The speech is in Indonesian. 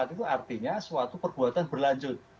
enam puluh empat itu artinya suatu perbuatan berlanjut